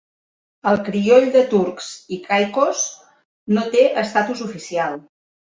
El crioll de Turks i Caicos no té estatus oficial.